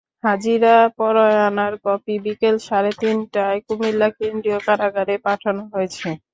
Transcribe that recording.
হাজিরা পরোয়ানার কপি বিকেল সাড়ে তিনটায় কুমিল্লা কেন্দ্রীয় কারাগারে পাঠানো হয়েছে।